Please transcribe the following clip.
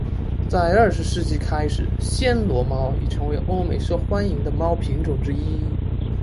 在二十世纪开始暹罗猫已成为欧美受欢迎的猫品种之一。